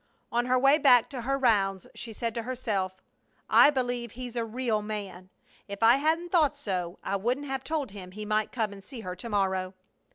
On her way back to her rounds she said to herself: "I believe he's a real man! If I hadn't thought so I wouldn't have told him he might come and see her to morrow!"